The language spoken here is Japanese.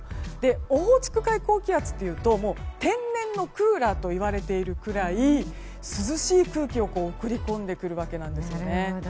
オホーツク海高気圧というと天然のクーラーといわれているぐらい涼しい空気を送り込んでくるわけなんですね。